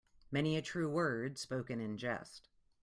Many a true word spoken in jest.